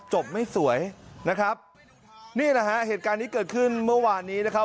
ไม่สวยนะครับนี่แหละฮะเหตุการณ์นี้เกิดขึ้นเมื่อวานนี้นะครับ